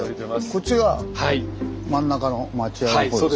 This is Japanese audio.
こっちが真ん中の町家のほうですね。